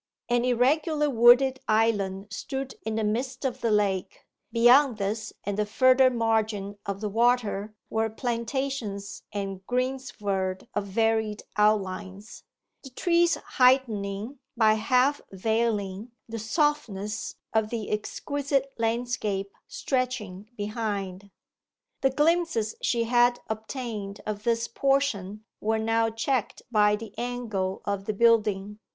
An irregular wooded island stood in the midst of the lake; beyond this and the further margin of the water were plantations and greensward of varied outlines, the trees heightening, by half veiling, the softness of the exquisite landscape stretching behind. The glimpses she had obtained of this portion were now checked by the angle of the building.